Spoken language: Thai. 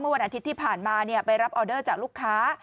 วันอาทิตย์ที่ผ่านมาไปรับออเดอร์จากลูกค้า